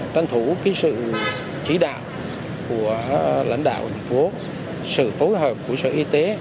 tân thủ sự chỉ đạo của lãnh đạo thành phố sự phối hợp của sự y tế